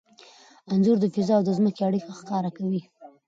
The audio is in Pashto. انځور د فضا او ځمکې اړیکه ښکاره کوي.